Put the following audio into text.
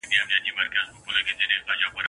اسمان چي مځکي ته راځي قیامت به سینه.